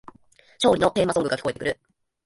勝利のテーマソングが聞こえてくる